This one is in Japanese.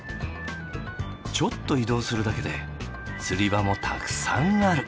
ちょっと移動するだけで釣り場もたくさんある。